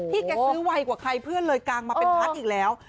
แกซื้อไวกว่าใครเพื่อนเลยกางมาเป็นพัดอีกแล้ว